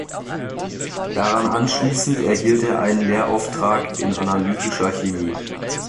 Daran anschließend erhielt er einen Lehrauftrag in Analytischer Chemie.